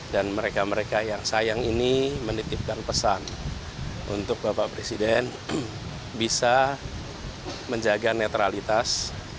dan mereka mereka yang sayang ini menitipkan pesan untuk bapak presiden bisa menjaga netralitas